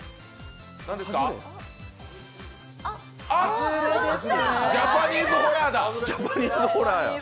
ハズレ？ジャパニーズホラーや！